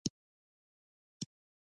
څنګه کولی شم د تراویحو لمونځ په کور کې وکړم